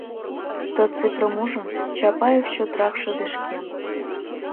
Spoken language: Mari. Ты цифрым ужын, Чапаев чотрак шыдешкен.